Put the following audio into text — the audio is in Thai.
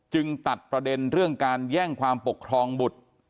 ตัดประเด็นเรื่องการแย่งความปกครองบุตร